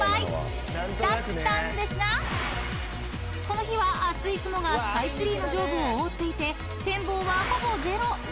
［この日は厚い雲がスカイツリーの上部を覆っていて展望はほぼゼロ］